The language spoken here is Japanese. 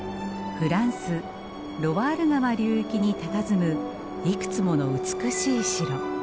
フランス・ロワール川流域にたたずむいくつもの美しい城。